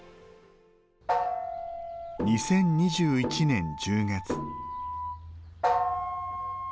２０２１年１０月。